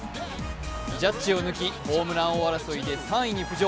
ジャッジを抜き、ホームラン王争いで３位に浮上。